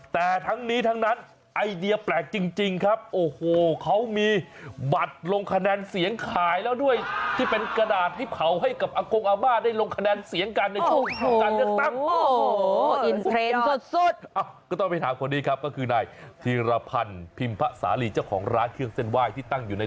แต่ทั้งนี้ทั้งนั้นมันในช่วงเลือกตั้งไง